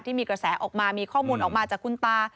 ที่มีกระแสออกมามีข้อมูลออกมาจากคุณตา